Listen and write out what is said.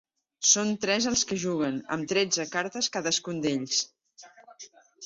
Són tres els que juguen, amb tretze cartes cadascun d’ells.